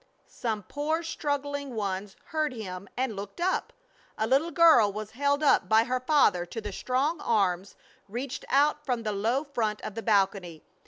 Some poor struggling ones heard him and looked up. A little girl was held up by her father to the strong arms reached out from the low front of the balcony.